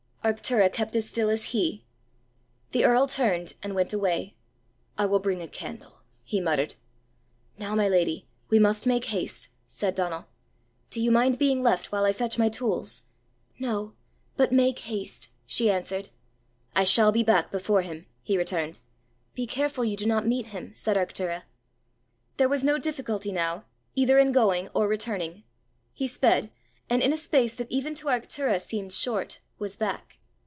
Arctura kept as still as he. The earl turned and went away. "I will bring a candle!" he muttered. "Now, my lady, we must make haste," said Donal. "Do you mind being left while I fetch my tools?" "No but make haste," she answered. "I shall be back before him," he returned. "Be careful you do not meet him," said Arctura. There was no difficulty now, either in going or returning. He sped, and in a space that even to Arctura seemed short, was back.